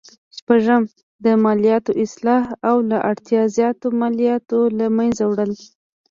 شپږم: د مالیاتو اصلاح او له اړتیا زیاتو مالیاتو له مینځه وړل.